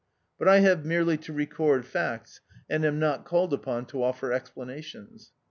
But I have merely to record facts, and am not called upon to offer explanations.